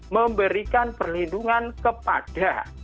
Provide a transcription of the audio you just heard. memberikan perlindungan kepada